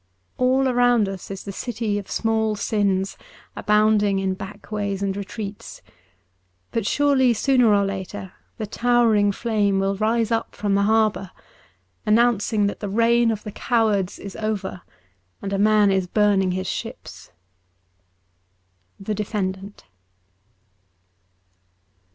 All around us is the city of small sins, abounding in backways and retreats ; but surely, sooner or later, the towering flame will rise from the harbour announcing that the reign of the cowards is over and a man is burning his ships. 'The Defendant.'